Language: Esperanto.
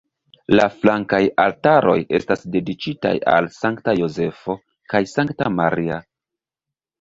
La flankaj altaroj estas dediĉitaj al Sankta Jozefo kaj Sankta Maria.